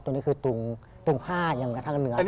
ตรงนี้คือตุงผ้าอย่างทางเหนือ